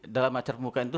dalam acara pembukaan itu